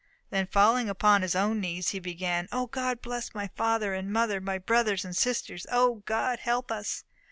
Then falling upon his own knees, he began, "O God bless my father and mother, my brothers and sisters! O God help us!"